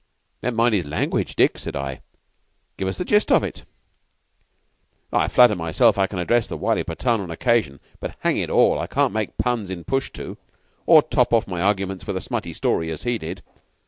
"Never mind his language, Dick," said I. "Give us the gist of it." "I flatter myself I can address the wily Pathan on occasion, but, hang it all, I can't make puns in Pushtu, or top off my arguments with a smutty story, as he did.